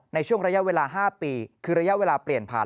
ในช่วงระยะเวลา๕ปีคือระยะเวลาเปลี่ยนผ่าน